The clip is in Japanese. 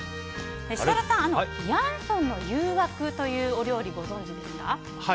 設楽さん、ヤンソンの誘惑というお料理をご存じですか？